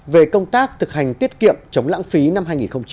về công tác thực hành tiết kiệm chống lãng phí năm hai nghìn hai mươi